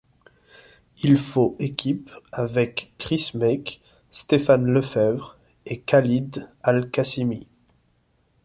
Il faut équipe avec Kris Meeke, Stéphane Lefebvre et Khalid Al-Qassimi.